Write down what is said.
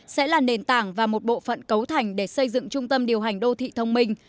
sẽ là nền tảng và một bộ phận cấu thành để xây dựng trung tâm điều hành đô thị thông minh